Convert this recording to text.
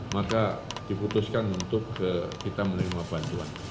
maka diputuskan untuk kita menerima bantuan